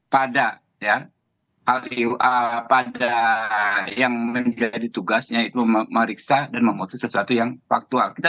pada ya yang menjadi tugasnya itu memeriksa dan memutus sesuatu yang faktual kita